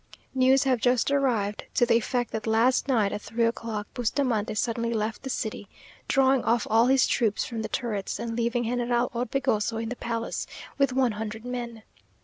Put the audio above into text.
News have just arrived to the effect that last night, at three o'clock, Bustamante suddenly left the city, drawing off all his troops from the turrets, and leaving General Orbegoso in the palace, with one hundred men.